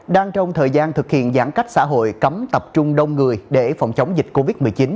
đang trong thời gian thực hiện giãn cách xã hội cấm tập trung đông người để phòng chống dịch covid một mươi chín